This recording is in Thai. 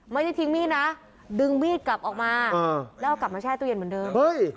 ไม่ได้ทิ้งมีดนะดึงมีดกลับออกมาแล้วเอากลับมาแช่ตู้เย็นเหมือนเดิม